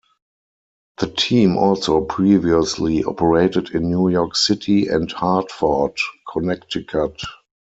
The team also previously operated in New York City and Hartford, Connecticut.